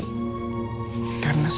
karena sudah lama ini